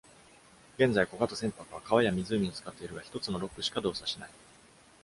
現在、小型船舶は川や湖を使っているが、一つのロックしか動作しない。